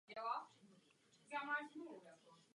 Nejnavštěvovanější částí země byly historické Čechy.